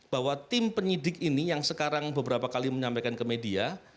bahwa tim penyidik ini yang sekarang beberapa kali menyampaikan ke media